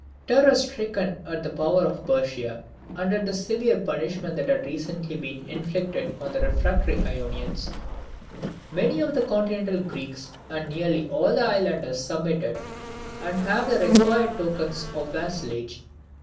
] Terror stricken at the power of Persia and at the severe punishment that had recently been inflicted on the refractory Ionians, many of the continental Greeks and nearly all the islanders submitted, and gave the required tokens of vassalage.